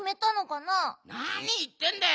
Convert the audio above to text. なにいってんだよ！